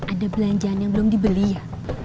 ada belanjaan yang belum dibeli ya